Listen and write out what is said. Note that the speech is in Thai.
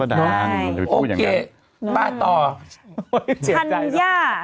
เช็ดใจแล้ว